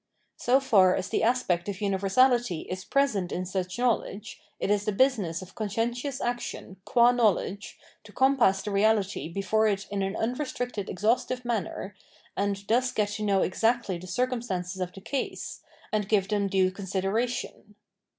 So far as the aspect of universality is present in such knowledge, it is the business of conscientious action, qua knowledge, to compass the reality before it in an unrestricted exhaustive manner, and thus get to know exactly the circumstances of the case, and give them due consideration.